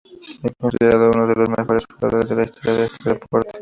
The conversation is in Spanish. Es considerado uno de los mejores jugadores de la historia de este deporte.